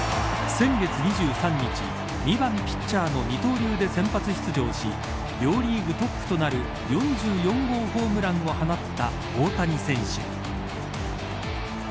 先月２３日２番ピッチャーの二刀流で先発出場し両リーグトップとなる４４号ホームランを放った大谷選手。